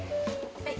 はい。